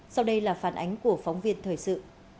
sau đây là phản ánh của phóng viên thời sự